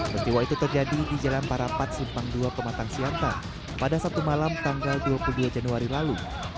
peristiwa itu terjadi di jalan parapat simpang dua pematang siantar pada satu malam tanggal dua puluh dua januari lalu